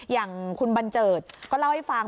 อย่างคุณบันเจิดก็เล่าให้ฟัง